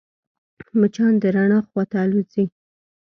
مچان د رڼا خواته الوزي